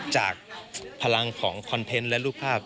จากพลังของคอนเทนต์และรูปภาพ